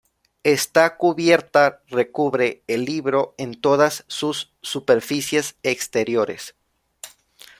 Esta cubierta recubre el libro en todas sus superficies exteriores.